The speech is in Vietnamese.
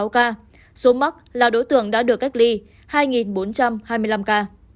một sáu trăm linh sáu ca số mắc là đối tượng đã được cách ly hai bốn trăm hai mươi năm ca